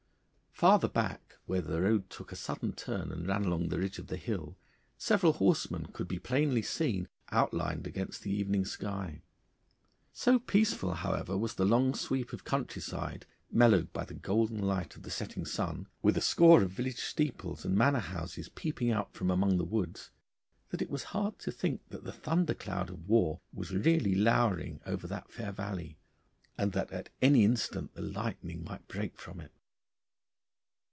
Farther back, where the road took a sudden turn and ran along the ridge of the hill, several horsemen could be plainly seen outlined against the evening sky. So peaceful, however, was the long sweep of countryside, mellowed by the golden light of the setting sun, with a score of village steeples and manor houses peeping out from amongst the woods, that it was hard to think that the thundercloud of war was really lowering over that fair valley, and that at any instant the lightning might break from it.